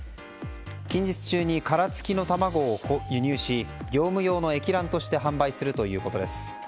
近日中に殻つきの卵を輸入し業務用の液卵として販売するということです。